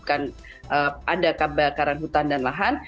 ada kebakaran hutan dan lahan